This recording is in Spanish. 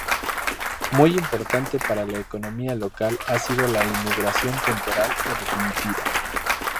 Muy importante para la economía local ha sido la emigración temporal o definitiva.